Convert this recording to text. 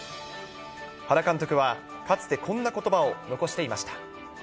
原監督は、かつてこんなことばを残していました。